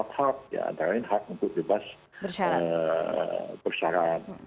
dia ada hak hak antara lain hak untuk bebas persaraan